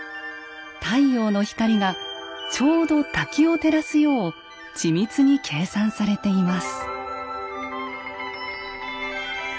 太陽の光がちょうど滝を照らすよう緻密に計算されています。